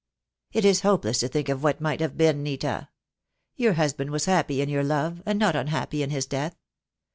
"It is hopeless to think of what might have been, Nita. Your husband was happy in your love — and not unhappy in his death.